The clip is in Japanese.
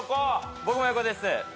僕も横です。